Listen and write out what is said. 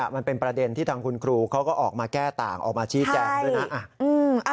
มันเป็นประเด็นที่ทางคุณครูเขาก็ออกมาแก้ต่างออกมาชี้แจงด้วยนะ